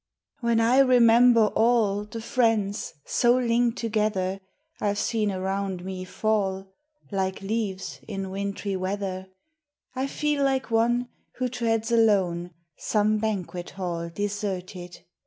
When I remember all The friends so linked together I 've seen around me fall, Like leaves in wintry weather, I feel like one Who treads alone MEMORY. 315 Some banquet hall deserted.